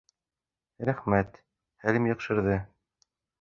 Рәхмәт. Хәлем яҡшырҙы